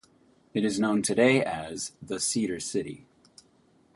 It is known today as "The Cedar City".